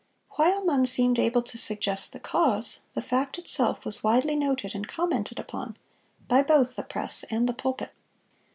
While none seemed able to suggest the cause, the fact itself was widely noted and commented upon, by both the press and the pulpit.